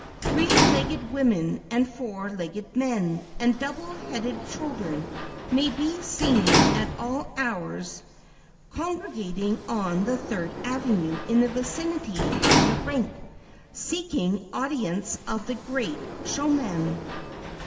Three legged women and four legged men, and double headed children may be seen at all hours congregating on the Third avenue in the vicinity of the Rink, seeking audience of the great showman.